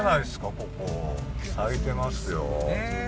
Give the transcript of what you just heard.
ここ咲いてますよ